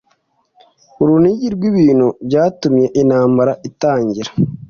Urunigi rwibintu byatumye intambara itangira.